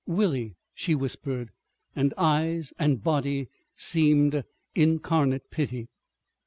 ... "Willie," she whispered, and eyes and body seemed incarnate pity.